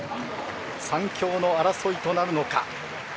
３強の争いとなるのか。